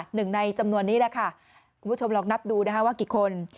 หนึ่งในจำนวนนี้คุณผู้ชมลองนับดูว่ากี่คน